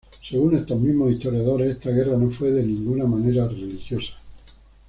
Según estos mismos historiadores, esta guerra no fue de ninguna manera religiosa.